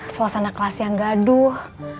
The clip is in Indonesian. suasana kelas yang gaduh